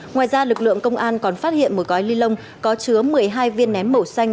ngoài ra lực lượng công an còn phát hiện một gói ni lông có chứa một mươi hai viên nén màu xanh